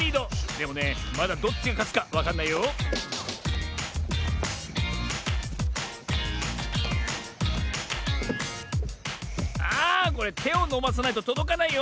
でもねまだどっちがかつかわかんないよああこれてをのばさないととどかないよ。